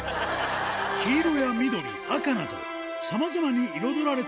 黄色や緑、赤など、さまざまに彩られた